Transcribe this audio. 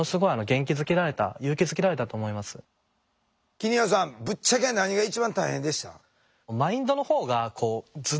木庭さんぶっちゃけ何が一番大変でした？